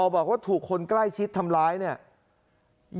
บอกว่าถูกคนใกล้ชิดทำร้ายเนี่ย